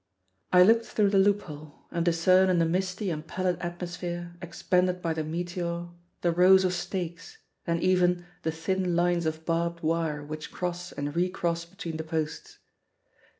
I look through the loophole, and discern in the misty and pallid atmosphere expanded by the meteor the rows of stakes and even the thin lines of barbed wire which cross and recross between the posts.